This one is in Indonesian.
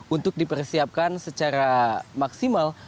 untuk dipersiapkan secara maksimal